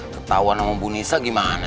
ketahuan sama bu nisa gimana